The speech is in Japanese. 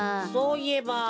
そういえば。